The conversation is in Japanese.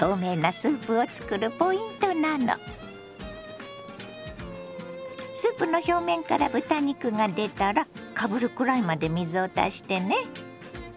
スープの表面から豚肉が出たらかぶるくらいまで水を足してね。